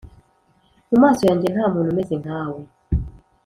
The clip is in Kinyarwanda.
mu maso yanjye nta muntu umeze nkawe